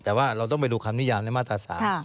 แต่ว่าเราต้องไปดูคำนิยามในมาตรา๓